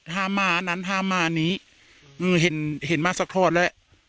หามานั้นหามานี้ไม่เห็นเห็นมาสักทอดหล่ะ